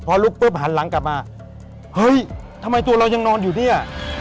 พอลุกปุ๊บหันหลังกลับมาเฮ้ยทำไมตัวเรายังนอนอยู่เนี่ย